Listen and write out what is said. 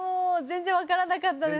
全然分かんなかった？